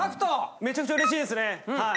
めちゃくちゃうれしいですねはい。